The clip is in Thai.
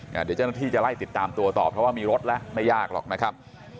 เดี๋ยวเจ้าหน้าที่จะไล่ติดตามตัวต่อเพราะว่ามีรถแล้วไม่ยากหรอกนะครับ